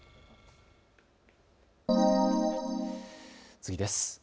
次です。